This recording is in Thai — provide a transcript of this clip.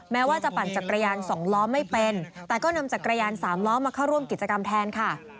แม้ว่าจะปั่นจักรยาน๒ล้อไม่เป็นแต่ก็นำจักรยานสามล้อมาเข้าร่วมกิจกรรมแทนค่ะ